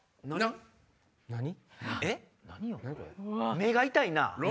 目が痛いな。